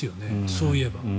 そういえば。